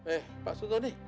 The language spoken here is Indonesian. eh pak sultoni